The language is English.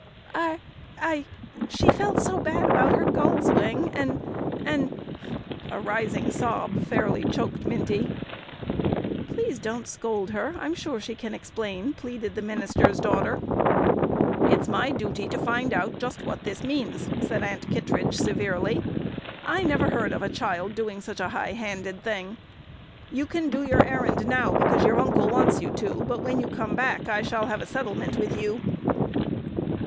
"I I she felt so bad about her gull's wing, and and " A rising sob fairly choked Minty. "Please don't scold her. I'm sure she can explain," pleaded the minister's daughter. "It's my duty to find out just what this means," said Aunt Kittredge severely. "I never heard of a child doing such a high handed thing! You can do your errand now, because your uncle wants you to, but when you come back I shall have a settlement with you."